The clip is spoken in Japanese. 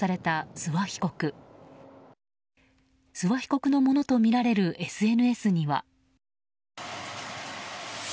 諏訪被告のものとみられるＳＮＳには。